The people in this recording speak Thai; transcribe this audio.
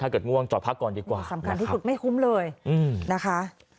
เกิดง่วงจอดพักก่อนดีกว่าสำคัญที่สุดไม่คุ้มเลยนะคะ